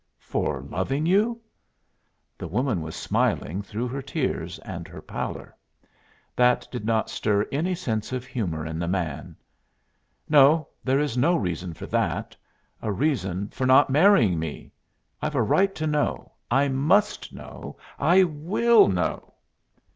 "For loving you?" The woman was smiling through her tears and her pallor. That did not stir any sense of humor in the man. "No; there is no reason for that. A reason for not marrying me. I've a right to know. I must know. I will know!"